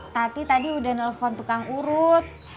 tati tadi udah nelfon tukang urut